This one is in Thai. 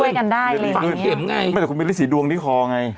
มันช่วยกันได้อย่างงี้ฟังเข็มไงไม่แต่คุณมีฤทธิ์สีดวงที่คอไง